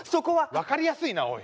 分かりやすいなおい。